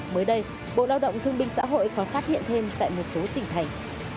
mới đây bộ lao động thương binh xã hội còn phát hiện thêm tại một số tỉnh thành